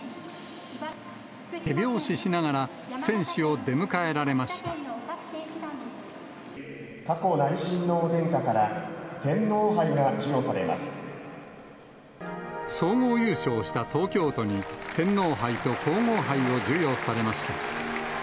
手拍子しながら、選手を出迎えら佳子内親王殿下から、天皇杯総合優勝した東京都に、天皇杯と皇后杯を授与されました。